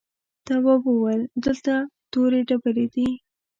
تواب وويل: دلته تورې ډبرې دي.